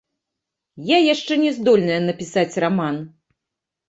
Я яшчэ няздольная напісаць раман.